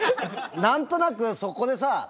何となくそこでさ